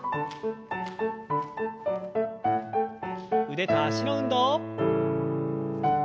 腕と脚の運動。